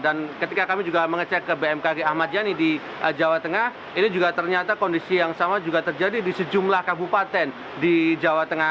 dan ketika kami juga mengecek ke bmkg ahmad jani di jawa tengah ini juga ternyata kondisi yang sama juga terjadi di sejumlah kabupaten di jawa tengah